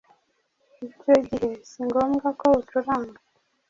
icyo gihe si ngombwa ko ucuranga